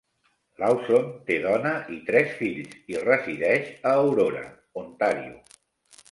Lawson té dona i tres fills, i resideix a Aurora, Ontàrio.